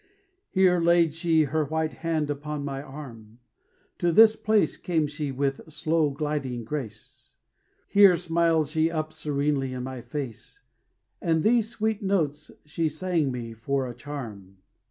"Here laid she her white hand upon my arm; To this place came she with slow gliding grace; Here smiled she up serenely in my face; And these sweet notes she sang me for a charm."